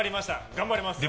頑張ります。